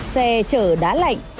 xe chở đá lạnh